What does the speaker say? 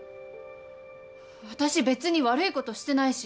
私別に悪いことしてないし。